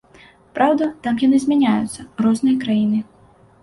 Праўда, там яны змяняюцца, розныя краіны.